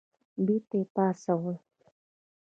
بېرته یې پاڅول.